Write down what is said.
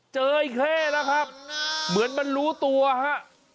เจออีกแค่แล้วครับเหมือนมันรู้ตัวฮะ